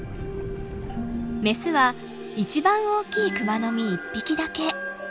メスは一番大きいクマノミ一匹だけ。